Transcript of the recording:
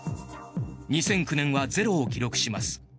２００９年はゼロを記録します。